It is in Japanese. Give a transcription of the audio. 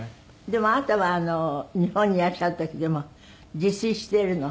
でもあなたは日本にいらっしゃる時でも自炊してるの？